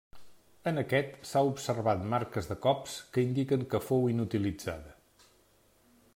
En aquest s'ha observat marques de cops que indiquen que fou inutilitzada.